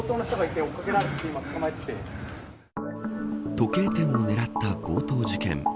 時計店を狙った強盗事件。